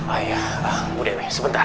ayah ibu dewi sebentar